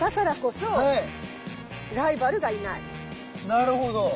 なるほど。